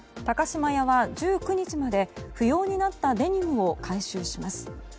高島屋は１９日まで不要になったデニムを回収します。